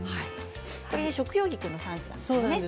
食用菊の産地なんですね。